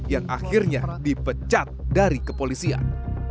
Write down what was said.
yang akhirnya dipecat dari kepolisian